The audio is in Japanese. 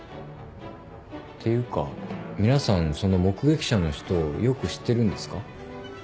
ていうか皆さんその目撃者の人をよく知ってるんですか？